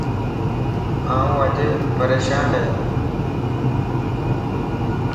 آن اڄ پريشان ائي